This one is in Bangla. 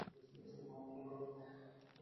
উনার মন অনেক নরম।